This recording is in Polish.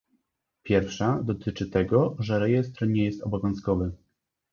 Pierwsza dotyczy tego, że rejestr nie jest obowiązkowy